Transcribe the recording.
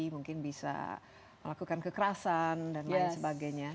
mungkin bisa melakukan kekerasan dan lain sebagainya